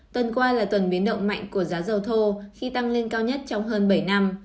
tuần qua là tuần biến động mạnh của giá dầu thô khi tăng lên cao nhất trong hơn bảy năm